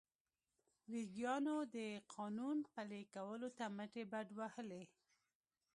ویګیانو د قانون پلي کولو ته مټې بډ وهلې.